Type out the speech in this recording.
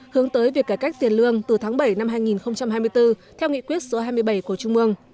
hướng tới việc cải cách tiền lương từ tháng bảy năm hai nghìn hai mươi bốn theo nghị quyết số hai mươi bảy của trung ương